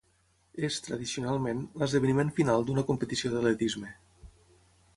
És, tradicionalment, l'esdeveniment final d'una competició d'atletisme.